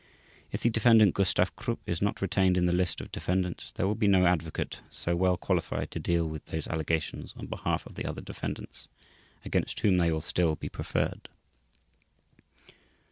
If the Defendant Gustav Krupp is not retained in the list of defendants, there will be no advocate so well qualified to deal with those allegations on behalf of the other defendants, against whom they will still be preferred.